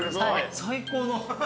最高の。